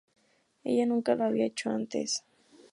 Ella nunca lo había hecho antes.